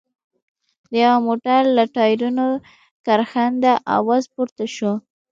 د يوه موټر له ټايرونو کرښنده اواز پورته شو.